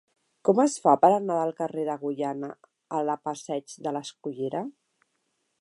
Com es fa per anar del carrer d'Agullana a la passeig de l'Escullera?